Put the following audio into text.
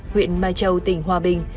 huyện mai châu tỉnh hòa bình